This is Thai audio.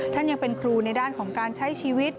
ท่านยังเป็นครูในด้านของการใช้ชีวิต